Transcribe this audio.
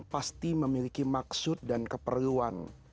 pasti memiliki maksud dan keperluan